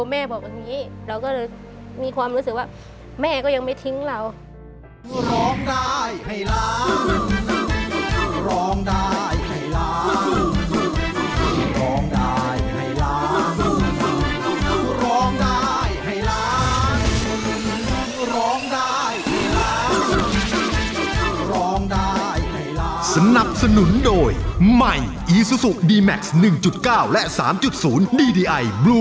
แม่บอกอย่างนี้เราก็เลยมีความรู้สึกว่าแม่ก็ยังไม่ทิ้งเรา